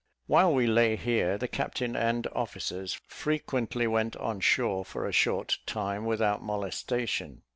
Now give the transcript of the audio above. While we lay here, the captain and officers frequently went on shore for a short time without molestation.